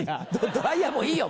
ドライヤーもういいよ！